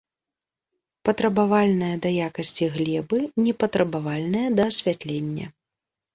Патрабавальная да якасці глебы, не патрабавальная да асвятлення.